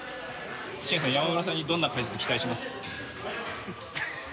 慎さん、山村さんにどんな解説、期待します？